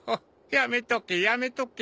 やめとけやめとけ。